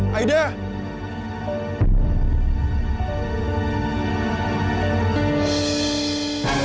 dari sejarah yang sebelumnya